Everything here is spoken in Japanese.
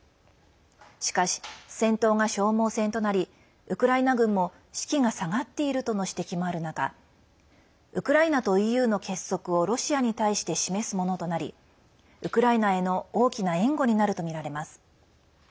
しかし、戦闘が消耗戦となりウクライナ軍も士気が下がっているとの指摘もある中ウクライナとＥＵの結束をロシアに対して示すものとなりウクライナへの大きな援護になるとみられます。